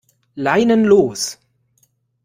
Leinen los!